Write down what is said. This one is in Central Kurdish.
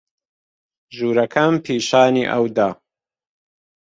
ژوورەکەم پیشانی ئەو دا.